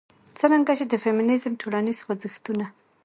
څرنګه چې د فيمنيزم ټولنيز خوځښتونه